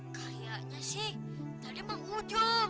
kayaknya sih tadi emang ujo